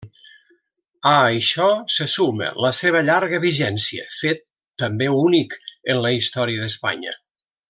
A això se suma la seva llarga vigència, fet també únic en la història d'Espanya.